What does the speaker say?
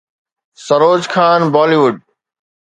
Saroj Khan Bali wood